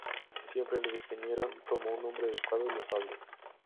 Siempre le definieron como un hombre "educado y afable".